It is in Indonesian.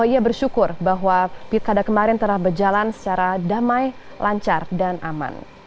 saya bersyukur bahwa pit kada kemarin telah berjalan secara damai lancar dan aman